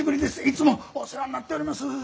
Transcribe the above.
いつもお世話になっております。